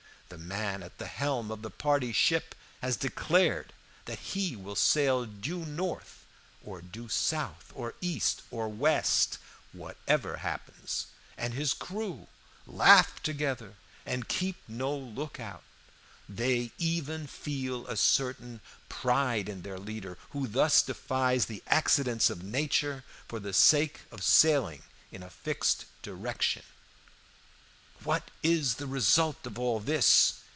The man at the helm of the party ship has declared that he will sail due north, or south, or east, or west, whatever happens, and his crew laugh together and keep no lookout; they even feel a certain pride in their leader, who thus defies the accidents of nature for the sake of sailing in a fixed direction. "What is the result of all this?